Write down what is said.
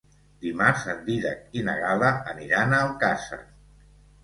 Dimarts en Dídac i na Gal·la aniran a Alcàsser.